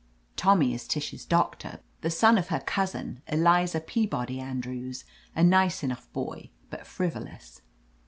'* Tommy is Tish's doctor, the son of her cousin, Eliza Peabody Andrews, a nice enough boy, but frivolous.